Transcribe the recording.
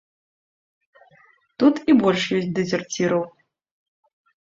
Тут і больш ёсць дэзерціраў.